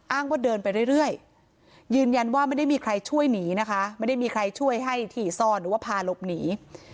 ว่าเดินไปเรื่อยยืนยันว่าไม่ได้มีใครช่วยหนีนะคะไม่ได้มีใครช่วยให้ถี่ซ่อนหรือว่าพาหลบหนี